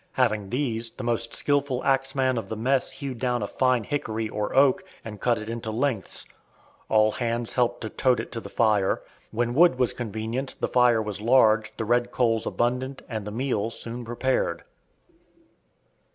Having these, the most skillful axeman of the mess hewed down a fine hickory or oak, and cut it into "lengths." All hands helped to "tote" it to the fire. When wood was convenient, the fire was large, the red coals abundant, and the meal soon prepared.